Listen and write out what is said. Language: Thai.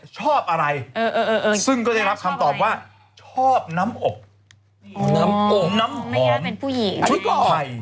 ชอบอะไรซึ่งก็ได้รับคำตอบว่าชอบน้ำอกน้ำหอมเรื่องไป